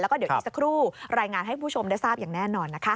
แล้วก็เดี๋ยวอีกสักครู่รายงานให้ผู้ชมได้ทราบอย่างแน่นอนนะคะ